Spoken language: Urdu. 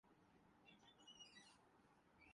آپ کے نام ایک خط ہے